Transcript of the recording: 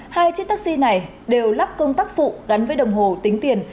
hai chiếc taxi này đều lắp công tác phụ gắn với đồng hồ tính tiền